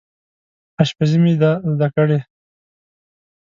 اشپزي مې ده زده کړې